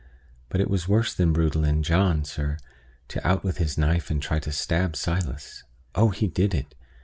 But it was worse than brutal in John, sir, to out with his knife and try to stab Silas. Oh, he did it!